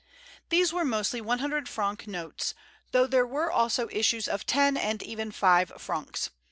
These were mostly 100 franc notes, though there were also issues of ten and even five francs.